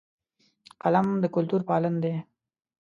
قلم د کلتور پالن دی